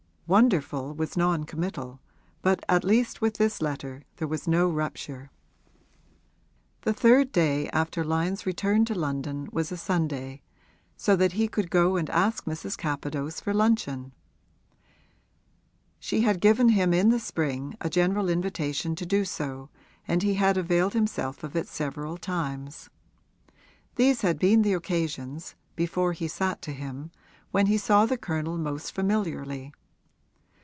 'Wonderful' was non committal, but at least with this letter there was no rupture. The third day after Lyon's return to London was a Sunday, so that he could go and ask Mrs. Capadose for luncheon. She had given him in the spring a general invitation to do so and he had availed himself of it several times. These had been the occasions (before he sat to him) when he saw the Colonel most familiarly.